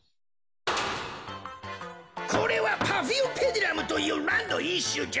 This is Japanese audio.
これはパフィオペディラムというランのいっしゅじゃ。